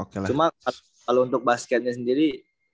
cuma kalau untuk basketnya sendiri